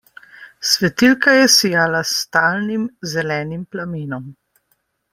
Svetilka je sijala s stalnim zelenim plamenom.